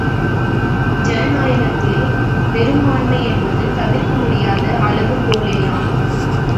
ஜனநாயகத்தில் பெரும்பான்மை என்பதும் தவிர்க்க இயலாத அளவுகோலேயாம்.